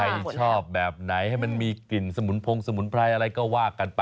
ชอบแบบไหนให้มันมีกลิ่นสมุนพงสมุนไพรอะไรก็ว่ากันไป